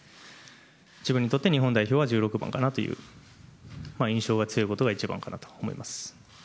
自分にとって日本代表は１６番かなという印象が強いことが一番かなと思います。